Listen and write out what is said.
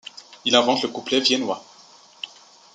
Il invente le couplet viennois.